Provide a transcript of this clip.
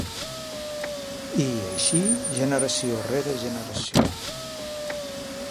I, així, generació rere generació.